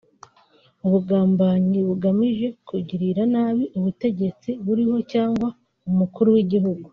ubugambanyi bugamije kugirira nabi ubutegetsi buriho cyangwa Umukuru w’igihugu